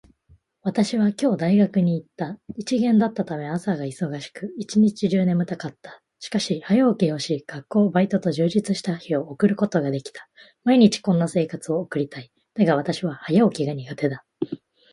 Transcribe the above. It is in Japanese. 私は今日大学に行った。一限だったため、朝が早く、一日中眠たかった。しかし、早起きをし、学校、バイトと充実した日を送ることができた。毎日こんな生活を送りたい。しかし私は早起きが苦手だ。